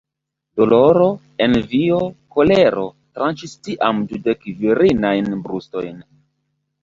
Doloro, envio, kolero, tranĉis tiam dudek virinajn brustojn.